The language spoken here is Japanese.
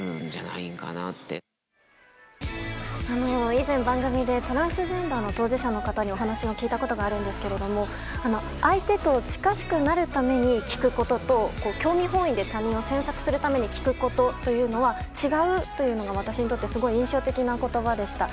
以前番組でトランスジェンダーの当事者の方にお話を聞いたことがあるんですが相手と近くなるために聞くことと興味本位で詮索するために聞くことは違うというのが私にとってすごく印象的な言葉でした。